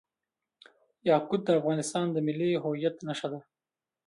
یاقوت د افغانستان د ملي هویت نښه ده.